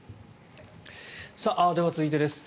では、続いてです。